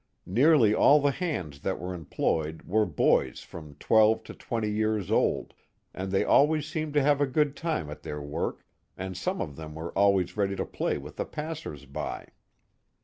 Nearly all the hands that were employed were boys from twelve to twenty years old, and they always seemed to have a good time at their work, and some of them were always ready to play with the passers by.